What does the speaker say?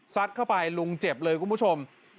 เข้าไปลุงเจ็บเลยคุณผู้ชม